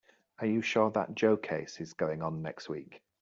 Are you sure that Joe case is going on next week?